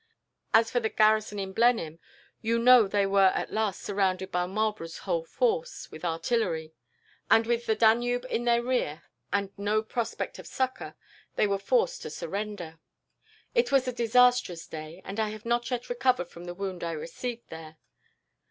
As for the garrison in Blenheim, you know they were at last surrounded by Marlborough's whole force, with artillery; and with the Danube in their rear, and no prospect of succour, they were forced to surrender. "It was a disastrous day, and I have not yet recovered from the wound I received there.